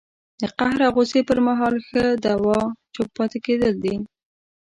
د قهر او غوسې پر مهال ښه دوا چپ پاتې کېدل دي